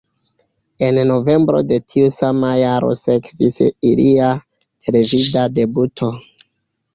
En novembro de tiu sama jaro sekvis ilia televida debuto.